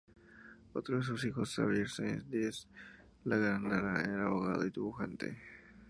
Otro de sus hijos, Javier Sáenz-Díez de la Gándara, era abogado y dibujante.